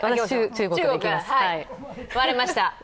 割れました！